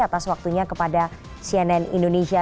atas waktunya kepada cnn indonesia